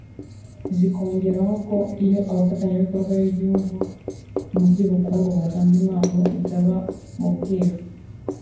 zikongeraho ko iyo abafatanyabikorwa b’igihugu mu by’ubukungu batanze impano bitaba mu bwiru